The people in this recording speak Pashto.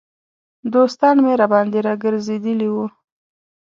دوستان مې راباندې را ګرځېدلي وو.